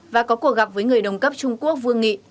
và có cuộc gặp với người đồng cấp trung quốc vương nghị